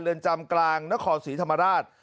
เรือนจำกลางนครศรีธรรมราช